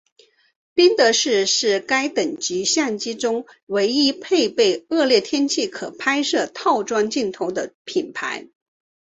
宾得士是在该等级相机中唯一配备恶劣天候可拍摄套装镜头的品牌。